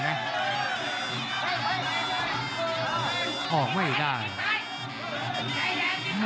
ไม่ออกไม่ได้